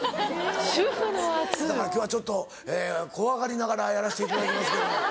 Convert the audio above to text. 主婦の圧？だから今日はちょっと怖がりながらやらせていただきますけど。